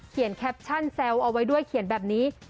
แคปชั่นแซวเอาไว้ด้วยเขียนแบบนี้